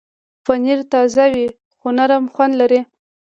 پنېر تازه وي نو نرم خوند لري.